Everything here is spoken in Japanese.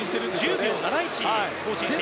１０秒７１更新しています。